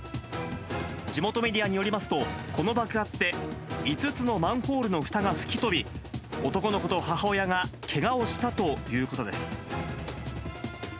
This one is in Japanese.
地元メディアによりますと、この爆発で、５つのマンホールのふたが吹き飛び、男の子と母親がけがをしたということです。